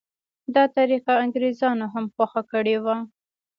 دا طریقه انګریزانو هم خوښه کړې وه.